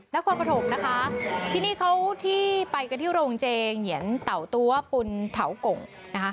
นครปฐมนะคะที่นี่เขาที่ไปกันที่โรงเจเหงียนเต่าตัวปุ่นเถากงนะคะ